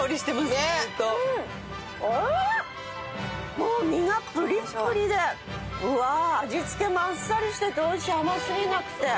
もう身がぷりっぷりでうわぁ味付けもあっさりしてて美味しい甘すぎなくて。